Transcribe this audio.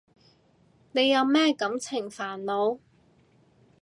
你有咩感情煩惱？